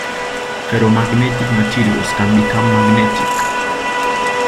Ferro-magnetic materials can become magnetic.